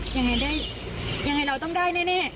ยังไงเราต้องได้แน่